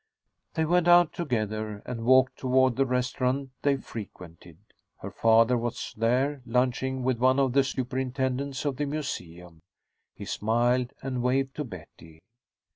They went out together, and walked toward the restaurant they frequented. Her father was there, lunching with one of the superintendents of the museum. He smiled and waved to Betty.